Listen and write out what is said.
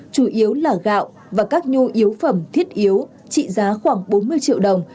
chủ yếu là gạo và các nhu yếu phẩm thiết yếu trị giá khoảng bốn mươi triệu đồng